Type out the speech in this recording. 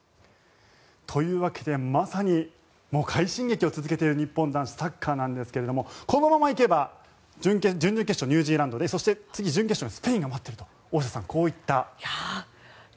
というわけでまさに快進撃を続けている日本男子サッカーですがこのまま行けば準々決勝がニュージーランドでそして次、準決勝にスペインが待っていると。